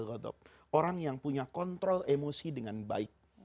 orang yang punya kontrol emosi dengan baik